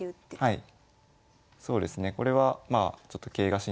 はい。